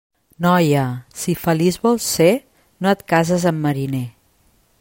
Noia, si feliç vols ser, no et cases amb mariner.